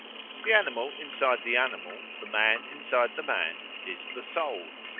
The animal inside the animal, the man inside the man, is the soul.